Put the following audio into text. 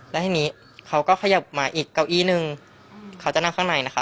แล้วทีนี้เขาก็ขยับมาอีกเก้าอี้นึงเขาจะนั่งข้างในนะคะ